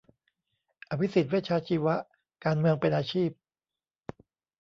อภิสิทธิ์ เวชชาชีวะ การเมืองเป็นอาชีพ